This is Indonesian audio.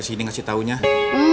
yaelah bu bos kenapa ngedari tadi